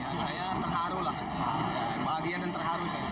ya saya terharu lah bahagia dan terharu saya